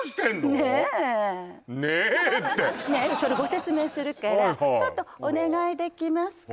ねえ「ねえ」ってそれご説明するからちょっとお願いできますか？